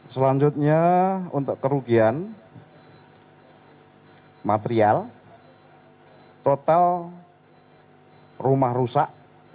selanjutnya untuk kerugian material total rumah rusak lima puluh delapan empat puluh sembilan